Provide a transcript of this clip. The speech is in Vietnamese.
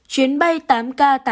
chuyến bay tám k tám trăm hai mươi bốn